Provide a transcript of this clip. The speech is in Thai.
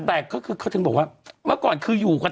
แต่เค้าถึงบอกว่าเมื่อก่อนคืออยู่